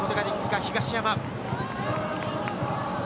東山。